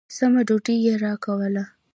سمه ډوډۍ يې راکوله.